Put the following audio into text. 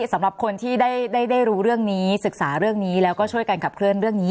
สำหรับคนที่ได้รู้เรื่องนี้ศึกษาเรื่องนี้แล้วก็ช่วยกันขับเคลื่อนเรื่องนี้